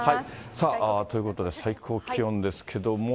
さあ、ということで、最高気温ですけれども。